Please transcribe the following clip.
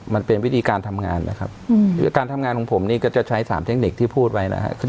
มันเป็นวิธีการทำงานนะครับการทำงานของผมนี่ก็จะใช้๓เทคนิคที่พูดไว้นะครับ